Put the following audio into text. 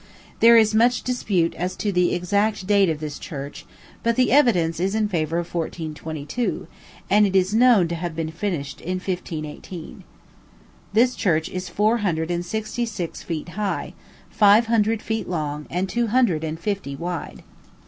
There is much dispute as to the exact date of this church, but the evidence is in favor of 1422, and it is known to have been finished in 1518. This church is four hundred and sixty six feet high, five hundred feet long, and two hundred and fifty wide.